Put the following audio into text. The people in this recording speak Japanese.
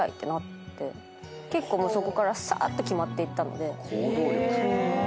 結構そこからさーって決まっていったので。